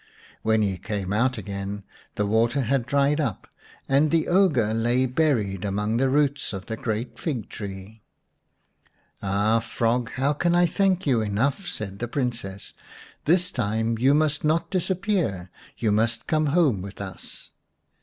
When he came out again the water 195 XVI The Fairy Frog had dried up, and the ogre lay buried among the roots of the great fig tree. " Ah, frog, how can I thank you enough ?" said the Princess. " This time you must not disappear, you must come home with us."